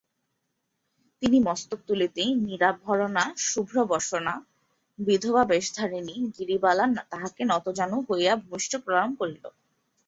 তিনি মস্তক তুলিতেই নিরাভরণা শুভ্রবসনা বিধবাবেশধারিণী গিরিবালা তাঁহাকে নতজানু হইয়া ভূমিষ্ঠ প্রণাম করিল।